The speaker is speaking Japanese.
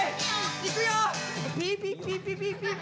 いくよ。